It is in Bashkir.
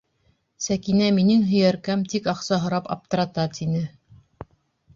Сәкинә минең һөйәркәм, тик аҡса һорап аптырата, тине.